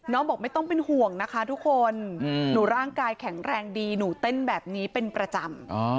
บอกไม่ต้องเป็นห่วงนะคะทุกคนหนูร่างกายแข็งแรงดีหนูเต้นแบบนี้เป็นประจำ